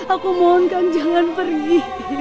aku mohon kak jangan pergi